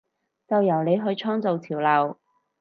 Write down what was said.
就由你去創造潮流！